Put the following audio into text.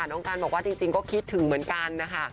น้องกันบอกว่าจริงก็คิดถึงเหมือนกันนะคะ